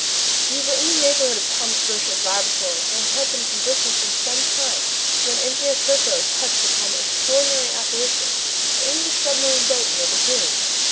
We were in the neighborhood of Thomas Roch's laboratory, and had been conversing for some time, when Engineer Serko touched upon the extraordinary apparition of an English submarine boat in the lagoon.